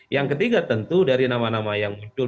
yang ketiga tentu dari nama nama yang muncul